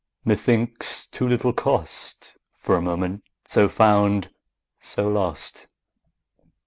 _20 5. ......... Methinks too little cost For a moment so found, so lost!